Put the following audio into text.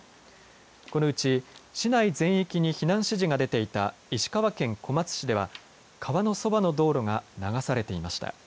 このうち市内全域に避難指示が出ていた石川県小松市では川のそばの道路が流されていました。